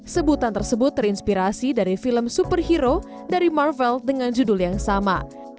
sebutan tersebut terinspirasi dari film superhero dari marvel dengan judul yang sama